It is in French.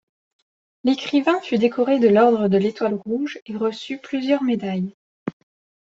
L'écrivain fut décoré de l'ordre de l'Étoile rouge et reçut plusieurs médailles.